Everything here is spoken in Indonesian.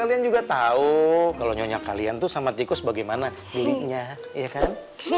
saya juga tahu kalau nyonya kalian tuh sama tikus bagaimana miliknya iya kan